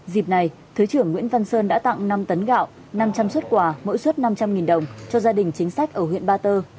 dịp này thứ trưởng nguyễn văn sơn đã tặng năm tấn gạo năm trăm linh xuất quà mỗi xuất năm trăm linh đồng cho gia đình chính sách ở huyện ba tơ